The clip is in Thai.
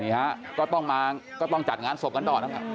ฮะก็ต้องมาก็ต้องจัดงานศพกันต่อนะครับ